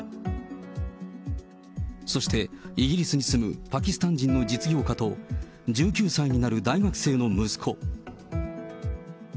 そして、イギリスに住むパキスタン人の実業家と１９歳になる大学生の息子。